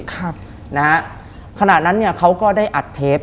ขนาดนั้นเนี่ยเขาก็ได้อัดเทป